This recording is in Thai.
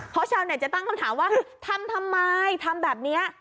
เพราะชาวเน็ตจะตั้งคำถามว่าทำทำไมทำแบบนี้